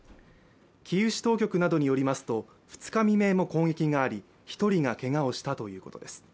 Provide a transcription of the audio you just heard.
キーウ市当局などによりますと２日未明も攻撃があり１人がけがをしたということです。